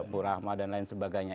bu rahma dan lain sebagainya